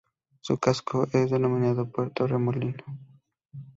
Su casco es denominado Puerto Remolino.